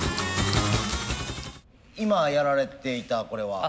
今やられていたこれは？